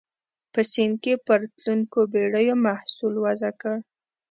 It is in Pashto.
په سیند کې پر تلونکو بېړیو محصول وضع کړ.